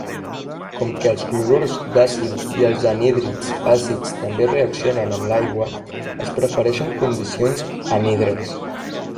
Com que els clorurs d'acil i els anhídrids àcids també reaccionen amb l'aigua, es prefereixen condicions anhidres.